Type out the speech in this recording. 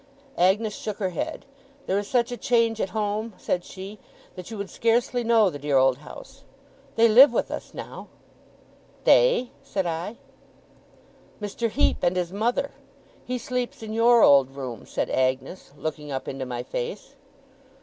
Agnes shook her head. 'There is such a change at home,' said she, 'that you would scarcely know the dear old house. They live with us now.' 'They?' said I. 'Mr. Heep and his mother. He sleeps in your old room,' said Agnes, looking up into my face.